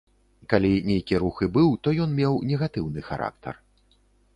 Калі нейкі рух і быў, то ён меў негатыўны характар.